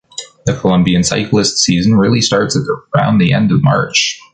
The Colombian cyclist season really starts at around the end of March.